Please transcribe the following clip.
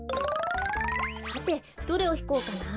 さてどれをひこうかな。